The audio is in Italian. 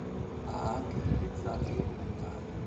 Ha anche realizzato documentari.